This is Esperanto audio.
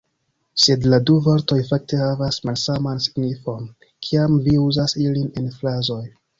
Sed la du vortoj fakte havas malsaman signifon, kiam vi uzas ilin en frazoj.